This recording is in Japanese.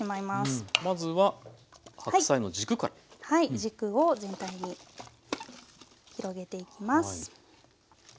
軸を全体に広げていきます。